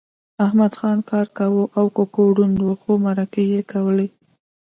احمدخان کار کاوه او ککو ړوند و خو مرکې یې کولې